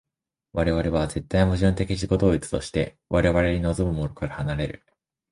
我々は絶対矛盾的自己同一として我々に臨むものから離れる。